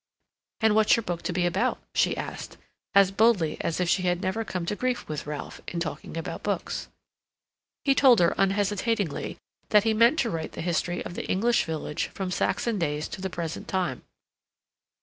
"And what's your book to be about?" she said, as boldly as if she had never come to grief with Ralph in talking about books. He told her unhesitatingly that he meant to write the history of the English village from Saxon days to the present time.